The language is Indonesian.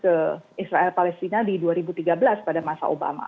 ke israel palestina di dua ribu tiga belas pada masa obama